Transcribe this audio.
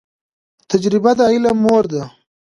تجریبه د علم مور ده